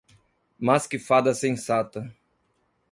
Mas que fada sensata!